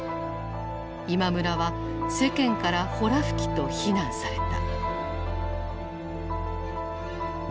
今村は世間から「ほら吹き」と非難された。